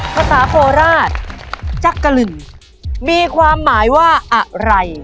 ภาษาโคราชจักรลึงมีความหมายว่าอะไร